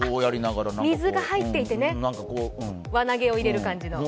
水が入っていて輪投げをする感じの。